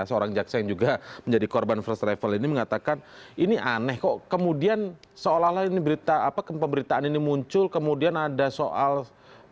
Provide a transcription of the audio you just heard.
seorang jaksa yang juga menjadi korban first travel ini mengatakan ini aneh kok kemudian seolah olah ini berita apa pemberitaan ini muncul kemudian ada soal